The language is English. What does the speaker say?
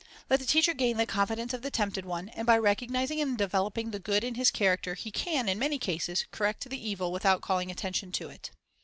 Let the teacher gain the confidence of the tempted one, and by recognizing and developing the good in his character, he can, in many cases, correct the evil without calling attention to it.